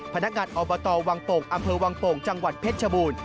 พนักงานอบตวังโป่งอำเภอวังโป่งจังหวัดเพชรชบูรณ์